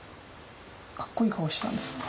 かっこいい顔してたんですよね。